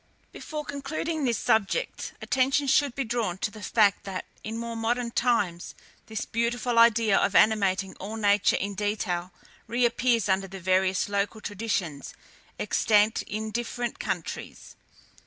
Before concluding this subject, attention should be drawn to the fact that, in more modern times, this beautiful idea of animating all nature in detail reappears under the various local traditions extant in different countries.